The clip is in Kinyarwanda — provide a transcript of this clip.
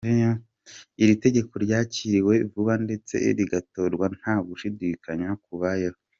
Iri tegeko ryakiriwe vuba ndetse rigatorwa nta gushidikanya kubayeho.